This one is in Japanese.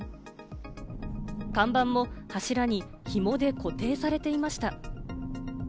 看板も柱にひもで固定されていました。